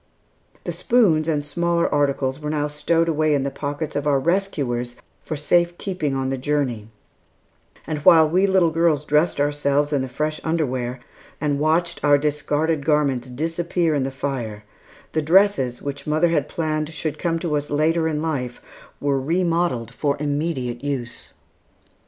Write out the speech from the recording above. The spoons and smaller articles were now stowed away in the pockets of our rescuers for safekeeping on the journey; and while we little girls dressed ourselves in the fresh underwear, and watched our discarded garments disappear in the fire, the dresses, which mother had planned should come to us later in life, were remodelled for immediate use.